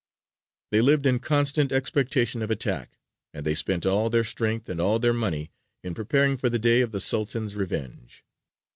They lived in constant expectation of attack, and they spent all their strength and all their money in preparing for the day of the Sultan's revenge.